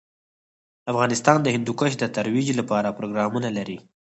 افغانستان د هندوکش د ترویج لپاره پروګرامونه لري.